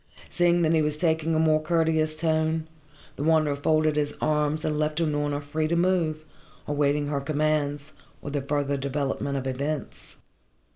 Seeing that he was taking a more courteous tone, the Wanderer folded his arms and left Unorna free to move, awaiting her commands, or the further development of events.